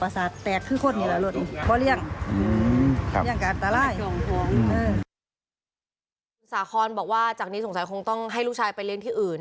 สาคอนสาคอนบอกว่าจากนี้สงสัยคงต้องให้ลูกชายไปเลี้ยงที่อื่น